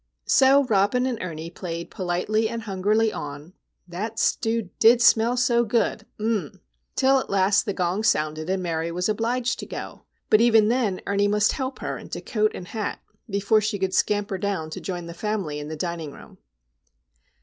So Robin and Ernie played politely and hungrily on (that stew did smell so good,—um m!) till at last the gong sounded, and Mary was obliged to go. But even then Ernie must help her into coat and hat, before she could scamper down to join the family in the dining room.